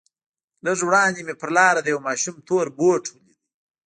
لږ وړاندې مې پر لاره د يوه ماشوم تور بوټ ولېد.